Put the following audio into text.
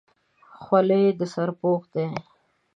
خولۍ د سر پوښ دی.